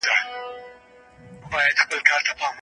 بهرني فشار د ستوري انفجار ته لاره هواروي.